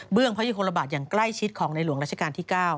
พระยุคลบาทอย่างใกล้ชิดของในหลวงราชการที่๙